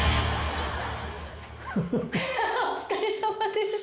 ハハお疲れさまです。